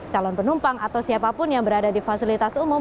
calon penumpang atau siapapun yang berada di fasilitas umum